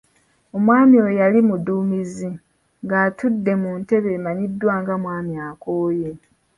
Omwami oyo yali mu ddumbiizi ng'atudde mu ntebe emanyiddwa nga "Mwami akooye".